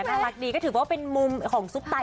น่ารักดีก็ถือว่าเป็นมุมของซุปตา